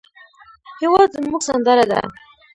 هېواد زموږ سندره ده